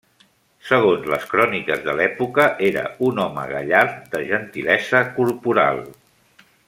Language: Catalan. Segons les cròniques de l'època, era un home gallard de gentilesa corporal.